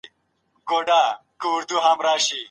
زه دؤعا کوم.